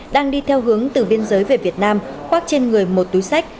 đang đi theo hướng từ biên giới về việt nam khoác trên người một túi sách